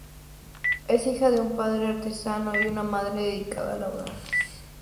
Es hija de un padre artesano y una madre dedicada al hogar.